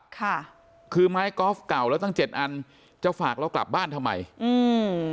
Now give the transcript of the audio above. ค่ะคือไม้กอล์ฟเก่าแล้วตั้งเจ็ดอันจะฝากเรากลับบ้านทำไมอืม